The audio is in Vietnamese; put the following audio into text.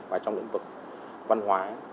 và trong lĩnh vực văn hóa